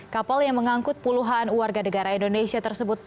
kapal yang mengangkut puluhan warga negara indonesia tersebut